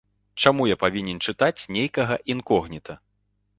Чаму я павінен чытаць нейкага інкогніта?